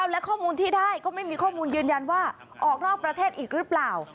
และข้อมูลที่ได้ก็ไม่มีข้อมูลยืนยันว่าออกนอกประเทศอีกหรือเปล่า